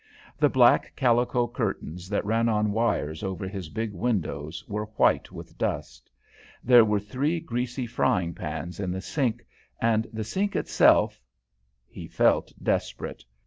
The black calico curtains that ran on wires over his big window were white with dust. There were three greasy frying pans in the sink, and the sink itself He felt desperate.